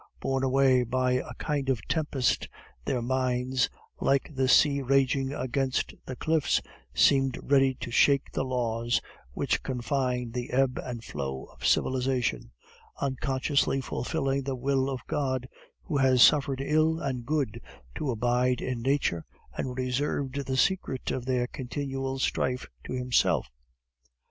Borne away by a kind of tempest, their minds, like the sea raging against the cliffs, seemed ready to shake the laws which confine the ebb and flow of civilization; unconsciously fulfilling the will of God, who has suffered evil and good to abide in nature, and reserved the secret of their continual strife to Himself.